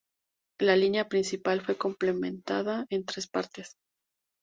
La línea principal fue completada en tres partes.